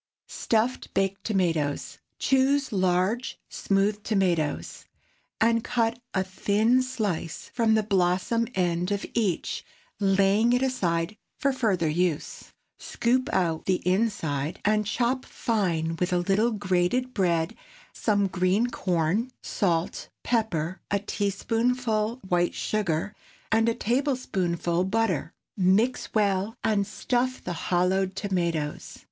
STUFFED BAKED TOMATOES. ✠ Choose large, smooth tomatoes, and cut a thin slice from the blossom end of each, laying it aside for further use. Scoop out the inside, and chop fine with a little grated bread, some green corn, salt, pepper, a teaspoonful white sugar, and a tablespoonful butter. Mix well, and stuff the hollowed tomatoes.